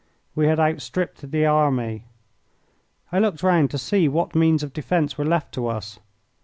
We had outstripped the army. I looked round to see what means of defence were left to us.